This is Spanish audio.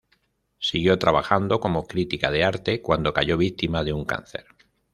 Siguió trabajando como crítica de arte, cuando cayó víctima de un cáncer.